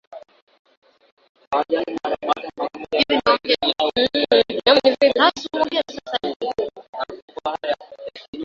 kujikunia mahali ambapo wanyama wagonjwa walijikunia Upele unaowasha husababishwa na wadudu wanaopenyeza